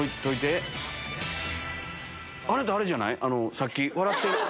さっき笑って。